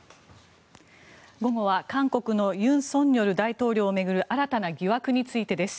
午後は韓国の尹錫悦大統領を巡る新たな疑惑についてです。